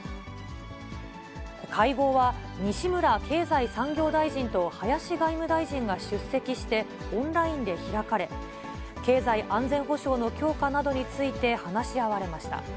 会合は、西村経済産業大臣と林外務大臣が出席して、オンラインで開かれ、経済安全保障の強化などについて話し合われました。